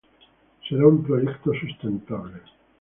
Será un proyecto sustentable.